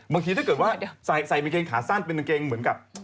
ถ้าเกิดว่าใส่กางเกงขาสั้นเป็นกางเกงเหมือนกับ